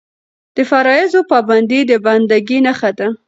د فرایضو پابندي د بنده ګۍ نښه ده.